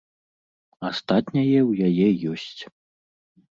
Астатняе ў яе ёсць.